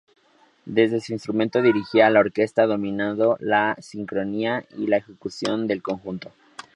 Desde su instrumento dirigía la orquesta dominando la sincronía y la ejecución del conjunto.